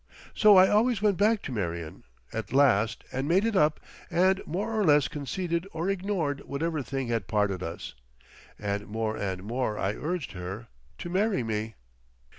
So I always went back to Marion at last and made it up and more or less conceded or ignored whatever thing had parted us, and more and more I urged her to marry me....